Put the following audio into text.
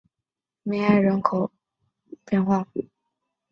梅埃人口变化图示